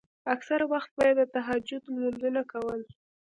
اکثره وخت به يې د تهجد لمونځونه کول.